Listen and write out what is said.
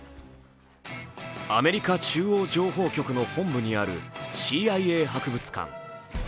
アメリカ中央情報局の本部にあるＣＩＡ博物館。